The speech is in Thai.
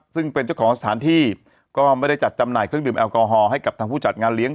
ซึ่งเป็นเจ้าของสถานที่ก็ไม่ได้จัดจำหน่ายเครื่องดื่มแอลกอฮอลให้กับทางผู้จัดงานเลี้ยง